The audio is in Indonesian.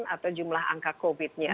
atau jumlah angka covid nya